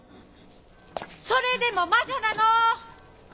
それでも魔女なの！